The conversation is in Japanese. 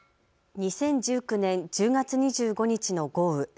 ２０１９年１０月２５日の豪雨。